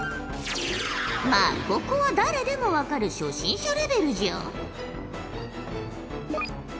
まあここは誰でも分かる初心者レベルじゃ。